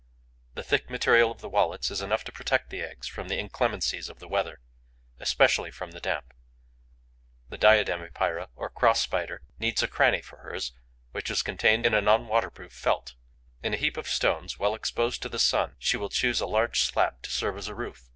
The thick material of the wallets is enough to protect the eggs from the inclemencies of the winter, especially from damp. The Diadem Epeira, or Cross Spider, needs a cranny for hers, which is contained in a non waterproof felt. In a heap of stones, well exposed to the sun, she will choose a large slab to serve as a roof.